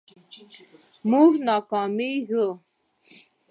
مونږ ناکامیږو